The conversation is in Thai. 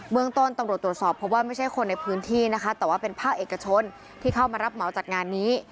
เมืองต้นตำรวจตรวจสอบเพราะว่าไม่ใช่คนในพื้นที่นะคะแต่ว่าเป็นภาคเอกชนที่เข้ามารับเหมาจัดงานนี้